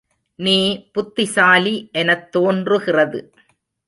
நீ புத்திசாலி எனத் தோன்றுகிறது.